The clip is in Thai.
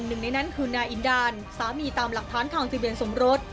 หนึ่งในนั้นคือนายอินดานสามีตามหลักฐานทางทะเบียนสมรส